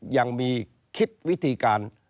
ยังมีคิดวิธีการ